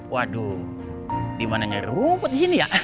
waduh dimana nyari rumput di sini ya